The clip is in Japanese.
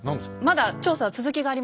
まだ調査は続きがありますので。